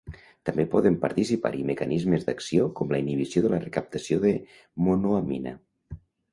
També poden participar-hi mecanismes d'acció com la inhibició de la recaptació de monoamina.